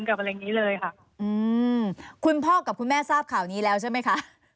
กับประเด็นนี้เลยค่ะอืมคุณพ่อกับคุณแม่ทราบข่าวนี้แล้วใช่ไหมคะ